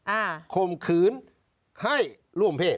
ข่มขืนให้ร่วมเพศ